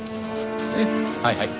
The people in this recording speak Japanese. はいはい。